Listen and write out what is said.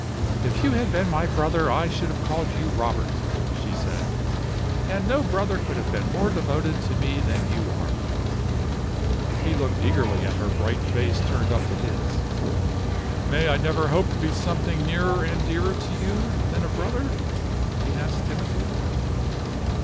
"If you had been my brother I should have called you 'Robert,'" she said; "and no brother could have been more devoted to me than you are." He looked eagerly at her bright face turned up to his. "May I never hope to be something nearer and dearer to you than a brother?" he asked timidly.